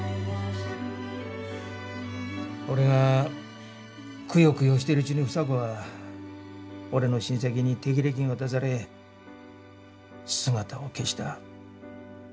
俺がくよくよしてるうちに房子は俺の親戚に手切れ金渡され姿を消した。